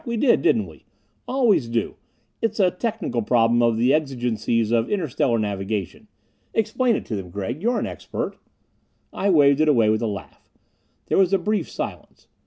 "We did, didn't we? Always do it's a technical problem of the exigencies of interstellar navigation. Explain it to them, Gregg you're an expert." I waved it away with a laugh. There was a brief silence.